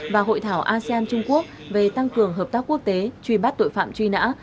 và hội thảo asean trung quốc về tăng cường hợp tác quốc tế truy bắt tội phạm truy nã